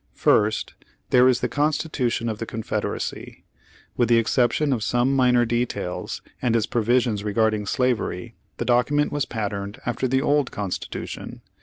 First, there is the constitution of the Confed eracy. With the exception of some minor details, and its provisions regarding slavery, the docu ment was patterned after the Old Constitution.